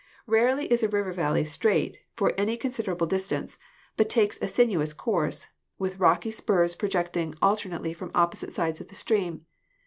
Rarely is a river valley straight for any consider 140 GEOLOGY able distance, but takes a sinuous course, with rocky spurs projecting alternately from opposite sides of the stream.